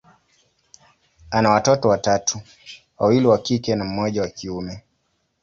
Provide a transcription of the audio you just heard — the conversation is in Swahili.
ana watoto watatu, wawili wa kike na mmoja wa kiume.